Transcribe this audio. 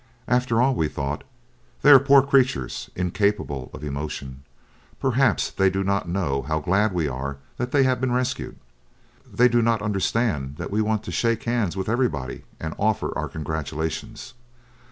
After all, we thought, they are poor creatures, incapable of emotion. Perhaps they do not know how glad we are that they have been rescued. They do not understand that we want to shake hands with everybody and offer our congratulations.